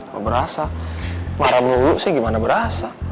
gak berasa marah berlulu sih gimana berasa